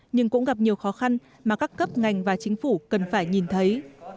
nhưng cũng gặp nhiều khó khăn mà các cấp ngành và chính phủ cần phải nhìn thấy